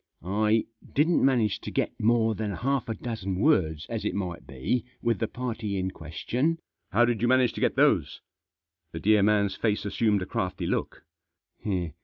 "I didn't manage to get more than half a dozen words, as it might be, with the party in question "" How did you manage to get those ?" The dear man's face assumed a crafty look.